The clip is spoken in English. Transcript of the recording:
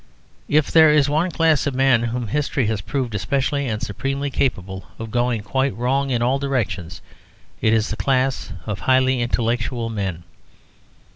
If there is one class of men whom history has proved especially and supremely capable of going quite wrong in all directions, it is the class of highly intellectual men.